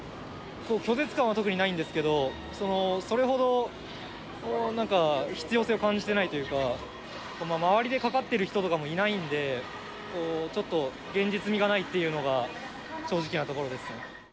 拒絶感は特にないんですけれども、それほどなんか、必要性を感じていないというか、周りでかかっている人とかもいないんで、ちょっと、現実味がないっていうのが、正直なところです。